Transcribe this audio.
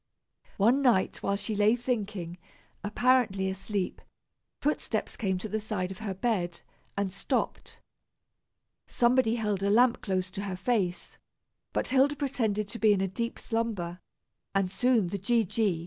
One night, while she lay thinking, apparently asleep, footsteps came to the side of her bed, and stopped. Somebody held a lamp close to her face, but Hilda pretended to be in a deep slumber, and soon the G. G.